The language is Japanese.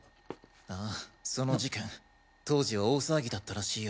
ああその事件当時は大騒ぎだったらしいよ。